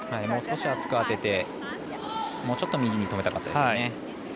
もう少し厚く当ててもうちょっと右に止めたかったですね。